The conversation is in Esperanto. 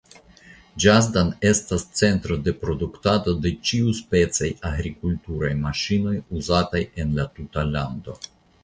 Ĝasdan estas centro de produktado de ĉiuspecaj agrikulturaj maŝinoj uzataj en la tuta lando.